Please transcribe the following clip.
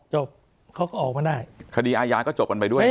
เขาก็ออกมาได้คดีอาญาก็จบกันไปด้วย